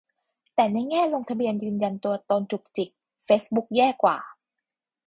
แต่ในแง่ลงทะเบียนยืนยันตัวตนจุกจิก เฟซบุ๊กแย่กว่า